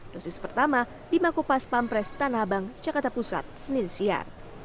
dosis pertama di mako pas pampres tanahabang jakarta pusat senin siang